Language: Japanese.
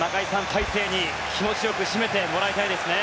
大勢に気持ちよく締めてもらいたいですね。